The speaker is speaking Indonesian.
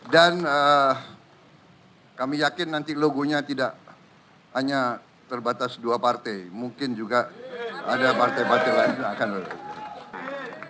dan kami yakin nanti logonya tidak hanya terbatas dua partai mungkin juga ada partai partai lain yang akan berwujud